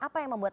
apa yang membuat